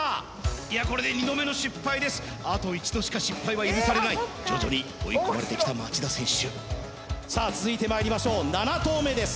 いやこれで２度目の失敗です徐々に追い込まれてきた町田選手さあ続いてまいりましょう７投目です